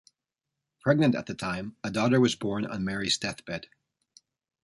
Pregnant at the time, a daughter was born on Mary's deathbed.